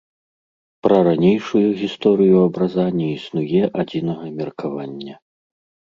Пра ранейшую гісторыю абраза не існуе адзінага меркавання.